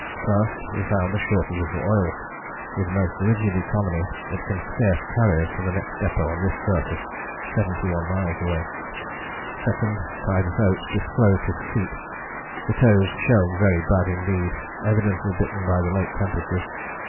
First, we found a shortage of oil; with most rigid economy it can scarce carry us to the next depôt on this surface [71 miles away]. Second, Titus Oates disclosed his feet, the toes showing very bad indeed, evidently bitten by the late temperatures.